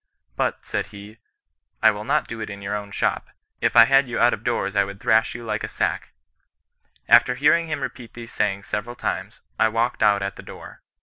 But, said he, ' I will not do it in your own shop ; if I had you out of doors I would thrash you like a sack.' After hearing him repeat these sayings several times, I walked 102 CHRISTIAN NON BESISTAMCE. out at the door.